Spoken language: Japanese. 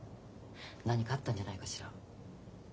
何かあったんじゃないかしら？